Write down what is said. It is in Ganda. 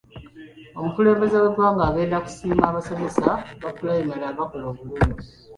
Omukulembeze w'eggwanga agenda kusiima abasomesa ba pulayimale abakola obulungi.